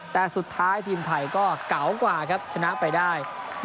แต่สุดท้ายทีมไทยก็เก๋ากว่าครับชนะไปได้